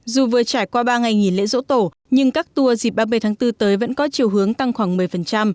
dù vừa trải qua ba ngày nghỉ lễ dỗ tổ nhưng các tour dịp ba mươi tháng bốn tới vẫn có chiều hướng tăng khoảng một mươi